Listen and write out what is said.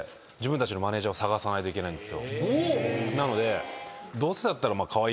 なので。